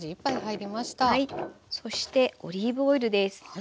そしてオリーブオイルです。